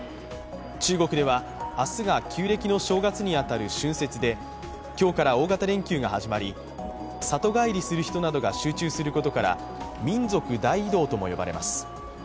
中国では明日が旧暦の正月に当たる春節で今日から大型連休が始まり、里帰りする人などが集中することから、民族大移動とも呼ばれます。